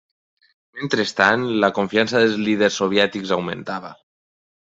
Mentrestant, la confiança dels líders soviètics augmentava.